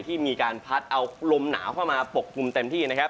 ที่มีการพัดเอาลมหนาวเข้ามาปกคลุมเต็มที่นะครับ